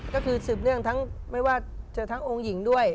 ก็คือสืบเนื่องทั้งไม่ว่าจะทั้งองค์หญิงด้วย